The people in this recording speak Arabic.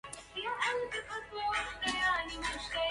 كفى حزنا أن تطعن الخيل بالقنا